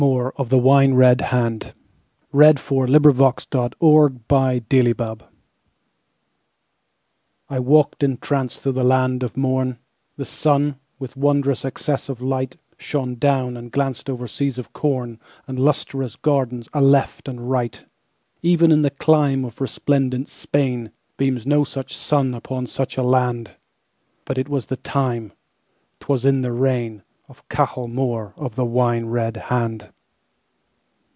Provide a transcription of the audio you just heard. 1922. By James Clarence Mangan 59. King Cahal Mór of the Wine Red Hand I WALKED entrancedThrough a land of Morn:The sun, with wondrous excess of light, Shone down and glancedOver seas of cornAnd lustrous gardens aleft and right. Even in the climeOf resplendent Spain, Beams no such sun upon such a land; But it was the time,'T was in the reign, Of Cahal Mór of the Wine red Hand.